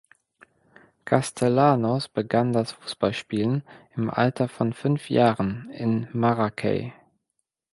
Castellanos begann das Fußballspielen im Alter von fünf Jahren in Maracay.